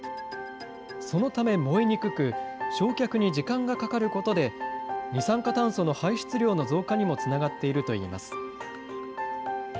そのため燃えにくく、焼却に時間がかかることで、二酸化炭素の排出量の増加にもつながっているといいます。